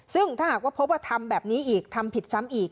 ซึ่งถ้าหากว่าพบว่าทำแบบนี้อีกทำผิดซ้ำอีก